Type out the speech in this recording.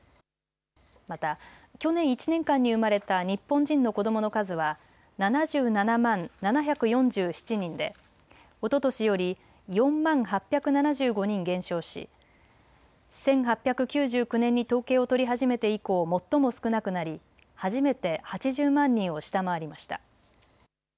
また、去年１年間に生まれた日本人の子どもの数は７７万７４７人でおととしより４万８７５人減少し１８９９年に統計を取り始めて以降最も少なくなり初めて８０万人を下回りました。